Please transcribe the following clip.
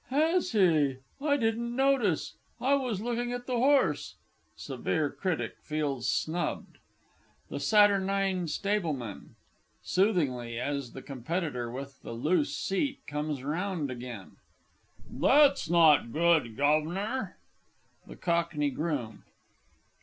Has he? I didn't notice I was looking at the horse. [SEVERE CRITIC feels snubbed. THE S. S. (soothingly, as the Competitor with the loose seat comes round again). That's not good, Guv'nor! THE COCKNEY GROOM.